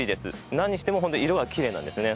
何にしてもホント色がきれいなんですね。